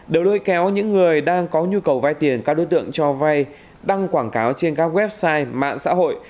đều lôi kéo những người đang có nhu cầu vay tiền các đối tượng cho vay đăng quảng cáo trên các website mạng xã hội